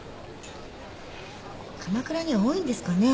鎌倉には多いんですかね？